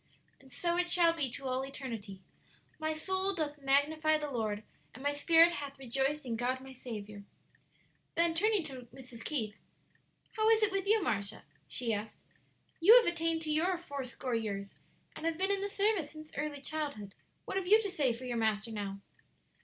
And so it shall be to all eternity. 'My soul doth magnify the Lord, and my spirit hath rejoiced in God my Saviour.'" Then turning to Mrs. Keith, "How is it with you, Marcia?" she asked; "you have attained to your four score years, and have been in the service since early childhood. What have you to say for your Master now?"